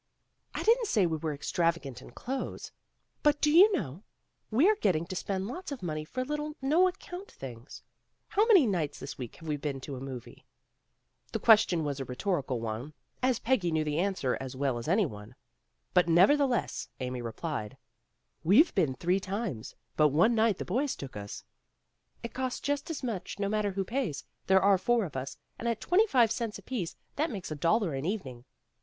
"I didn't say we were extravagant in clothes. But do you know, we're getting to spend lots of money for little, no account things. How many nights this week have we been to a movie ?'' The question was a rhetorical one, as Peggy 100 PEGGY RAYMOND'S WAY knew the answer as well as any one. But nevertheless Amy replied, "We've been three times, but one night the boys took us." "It costs just as much, no matter who pays. There are four of us; and at twenty five cents apiece, that makes a dollar an evening.